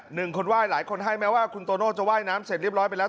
หนึ่งคนไหว้หลายคนให้แม้ว่าคุณโตโน่จะว่ายน้ำเสร็จเรียบร้อยไปแล้ว